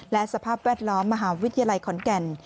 และสภาพแวดล้อมมหาวิทยาลัยขอนแก่น